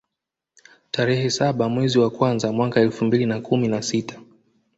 tarehe saba mwezi wa kwanza mwaka elfu mbili na kumi na sita